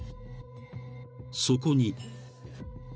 ［そこに］